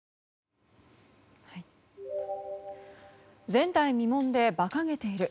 前代未聞でばかげている。